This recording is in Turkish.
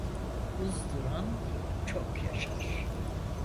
Uz duran çok yaşar